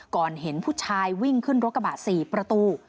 เห็นผู้ชายวิ่งขึ้นรถกระบะ๔ประตู